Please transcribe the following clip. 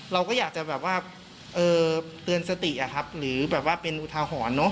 เราก็อยากจะเตือนสติหรือเป็นอุทาหรณ์